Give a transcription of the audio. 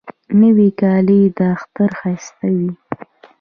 نوې کالی د اختر ښایست وي